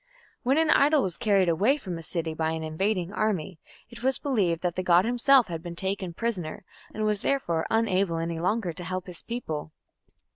When an idol was carried away from a city by an invading army, it was believed that the god himself had been taken prisoner, and was therefore unable any longer to help his people.